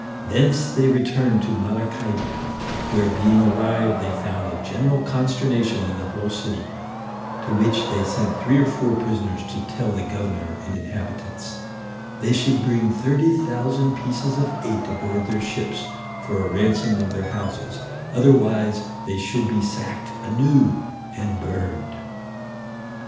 Thence they returned to Maracaibo, where being arrived, they found a general consternation in the whole city, to which they sent three or four prisoners to tell the governor and inhabitants, "they should bring them 30,000 pieces of eight aboard their ships, for a ransom of their houses, otherwise they should be sacked anew and burned."